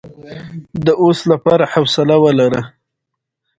د نړۍ وېشنې پر مهال دوی ته لږ برخه رسېدلې